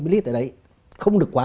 sáu mươi ml ở đấy không được quá